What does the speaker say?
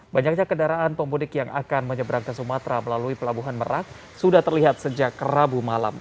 banyaknya kendaraan pemudik yang akan menyeberang ke sumatera melalui pelabuhan merak sudah terlihat sejak rabu malam